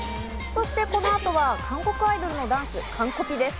そして、この後は韓国アイドルのダンス、完コピです。